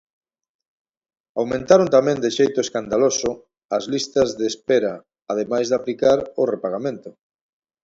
Aumentaron tamén de xeito "escandaloso" as listas de espera, ademais de aplicar o repagamento.